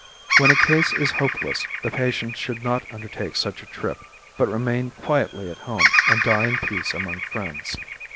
When a case is hopeless the patient should not undertake such a trip, but remain quietly at home and die in peace among friends.